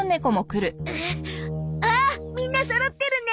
わあっみんなそろってるね。